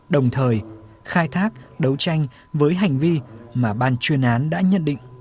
đồng thời khai thác đấu tranh với hành vi mà ban chuyên án đã nhận định